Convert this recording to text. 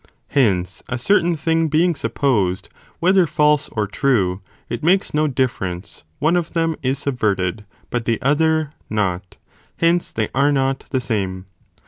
Hence, a certain thing. being supposed, whe ther false or true, (it makes no difference, ) one of them is sub verted, but the other not, hence they are not the same.